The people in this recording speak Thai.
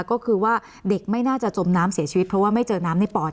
ก็คือว่าเด็กไม่น่าจะจมน้ำเสียชีวิตเพราะว่าไม่เจอน้ำในปอด